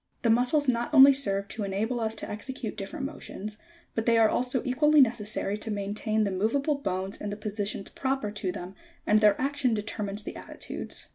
71. The muscles not only serve to enable us to execute dif ferent motions, but they are also equally necessary to maintain the moveable bones in the positions proper to them, and their action determines the attitudes.